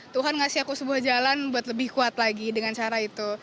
tuhan ngasih aku sebuah jalan buat lebih kuat lagi dengan cara itu